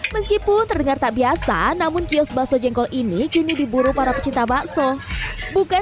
meskipun terdengar tak biasa namun kios bakso jengkol ini kini diburu para pecinta bakso bukan